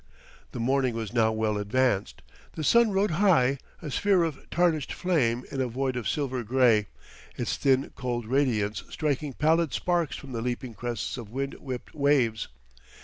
The morning was now well advanced. The sun rode high, a sphere of tarnished flame in a void of silver gray, its thin cold radiance striking pallid sparks from the leaping crests of wind whipped waves.